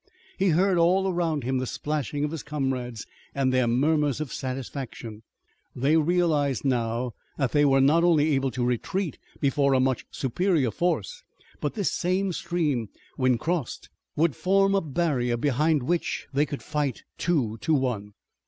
He heard all around him the splashing of his comrades, and their murmurs of satisfaction. They realized now that they were not only able to retreat before a much superior force, but this same stream, when crossed, would form a barrier behind which they could fight two to one.